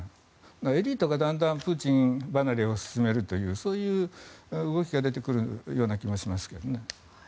エリートがだんだんプーチン離れを進めるというそういう動きが出てくるような気もしますけどね。